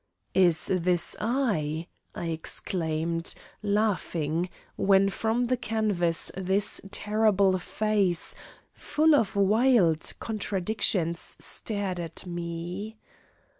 "Is this I?" I exclaimed, laughing, when from the canvas this terrible face, full of wild contradictions, stared at me.